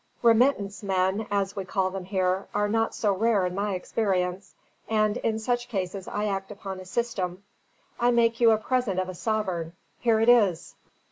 Remittance men, as we call them here, are not so rare in my experience; and in such cases I act upon a system. I make you a present of a sovereign; here it is.